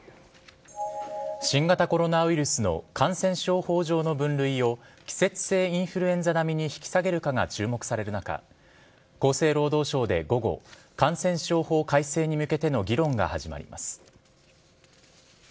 新型コロナウイルスの感染症法上の分類を、季節性インフルエンザ並みに引き下げるかが注目される中、厚生労働省で午後、感染症法改正に向けての議論が始まります。